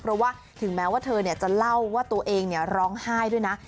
เพราะว่าถึงแม้ว่าเธอจะเล่าว่าตัวเองร้องไห้ด้วยนะ